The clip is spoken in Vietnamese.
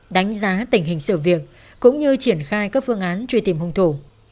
đánh giá tình hình sự việc cũng như triển khai các phương án truy tìm hung thủ